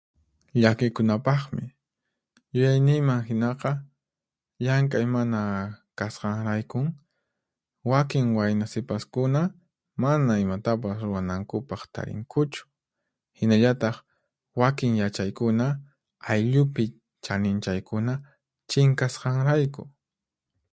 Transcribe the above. Llakikunapaqmi. Yuyayniyman hinaqa, llank'ay mana kasqanraykun, wakin waynasipaskuna mana imatapas ruwanankupaq tarinkuchu. Hinallataq, wakin yachaykuna, ayllupi chaninchaykuna chinkasqanrayku.